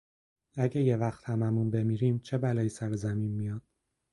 اگه یهوقت همهمون بمیریم، چه بلایی سر زمین میاد؟